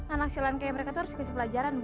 anak silang kayak mereka tuh harus dikasih pelajaran bu